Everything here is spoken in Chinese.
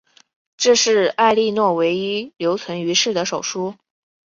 这是埃莉诺唯一留存于世的手书。